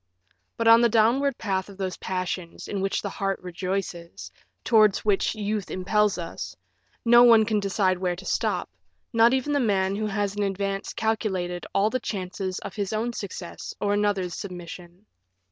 But on the downward path of those passions in which the heart rejoices, towards which youth impels us, no one can decide where to stop, not even the man who has in advance calculated all the chances of his own success or another's submission.